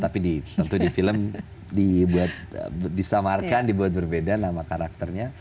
tapi tentu di film dibuat disamarkan dibuat berbeda nama karakternya